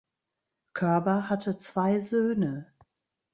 Körber hatte zwei Söhne.